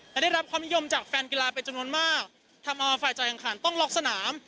และได้รับความนิยมจากแฟนกีฬาเป็นจำนวนมากทำเอาฝ่ายจ่ายแข่งขันต้องล็อกสนาม